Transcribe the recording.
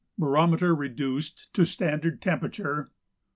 Barometer reduced to standard temperature +.